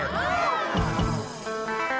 โอ้โฮ